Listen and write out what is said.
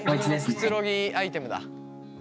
くつろぎアイテムだ。